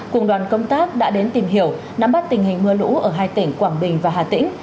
cùng đoàn công tác đã đến tìm hiểu nắm bắt tình hình mưa lũ ở hai tỉnh quảng bình và hà tĩnh